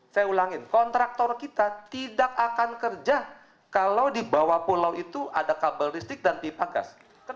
saya ulangin kontraktor kita tidak akan kerja kalau di bawah pulau itu ada kabel listrik dan pipa gas